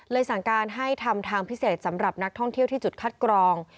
สั่งการให้ทำทางพิเศษสำหรับนักท่องเที่ยวที่จุดคัดกรอง